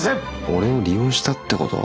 俺を利用したってこと？